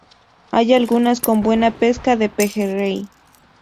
Hay lagunas con buena pesca de pejerrey.